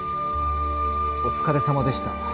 お疲れさまでした。